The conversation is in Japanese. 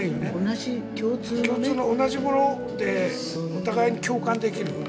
同じ、共通のものでお互いに共感できる。